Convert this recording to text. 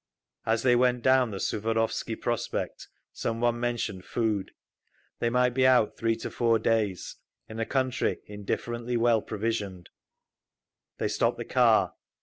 As they went down the Suvorovsky Prospect some one mentioned food. They might be out three or four days, in a country indifferently well provisioned. They stopped the car.